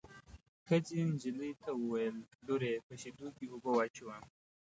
ښځې نجلۍ ته وویل: لورې په شېدو کې اوبه واچوه.